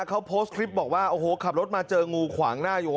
เขาโพสต์คลิปบอกว่าโอ้โหขับรถมาเจองูขวางหน้าอยู่